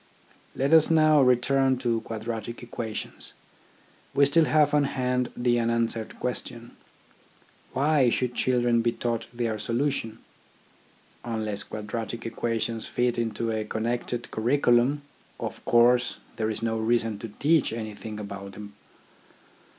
Let us now return to quadratic equations. We still have on hand the unanswered question. Why should children be taught their solution? Unless quadratic equations fit into a connected curriculum, of course there is no reason to teach anything about them.